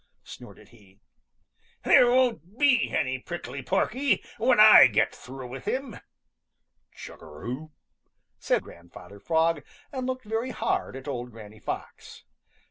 snorted he. "There won't be any Prickly Porky when I get through with him!" "Chug a rum!" said Grandfather Frog and looked very hard at old Granny Fox.